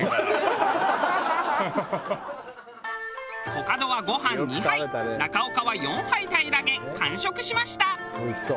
コカドはご飯２杯中岡は４杯平らげ完食しました。